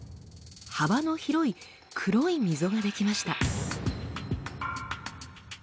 幅の広い黒い溝が出来ました。